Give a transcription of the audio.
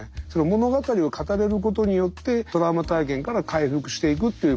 物語を語れることによってトラウマ体験から回復していくっていうモデルで。